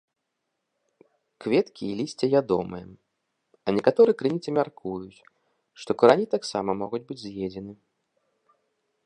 Кветкі і лісце ядомыя, а некаторыя крыніцы мяркуюць, што карані таксама могуць быць з'едзены.